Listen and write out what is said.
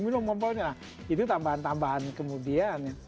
itu tambahan tambahan kemudian